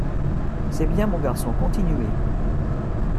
C’est bien, mon garçon, continuez !